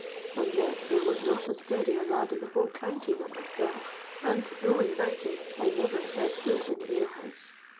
And yet there was not a steadier lad in the whole county than myself; and, though invited, I never set foot in the ale house.